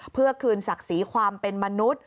เพื่อคืนศักดิ์ศรีความเป็นมนุษย์